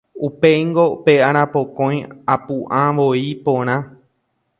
Upéingo pe arapokõi apu'ã voi porã.